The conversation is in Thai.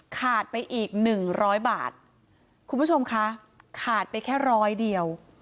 ขาดไปอีกหนึ่งร้อยบาทคุณผู้ชมคะขาดไปแค่ร้อยเดียว